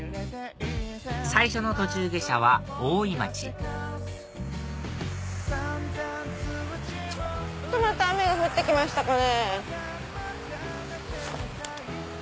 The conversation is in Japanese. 最初の途中下車は大井町ちょっとまた雨が降って来ましたかね。